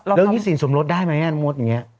เรื่องยิทธิ์สินสมรสได้ไหมแม่หมดอย่างเงี้ย